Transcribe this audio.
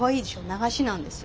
流しなんですよ。